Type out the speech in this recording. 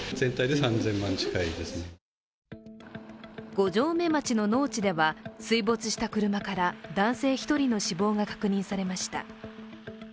五城目町の農地では水没した車から男性１人の死亡が確認されました。